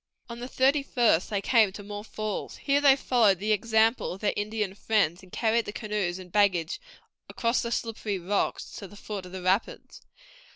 On the thirty first they came to more falls. Here they followed the example of their Indian friends, and carried the canoes and baggage across the slippery rocks to the foot of the rapids.